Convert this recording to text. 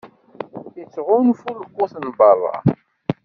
Ittɣunfu lqut n berra.